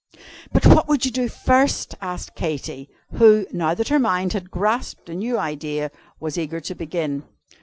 "But what would you do first?" asked Katy; who, now that her mind had grasped a new idea, was eager to begin.